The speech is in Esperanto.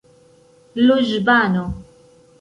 loĵbano